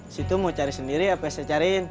situ mau cari sendiri apa yang saya cariin